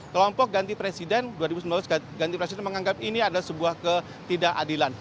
kelompok ganti presiden menganggap ini adalah sebuah ketidakadilan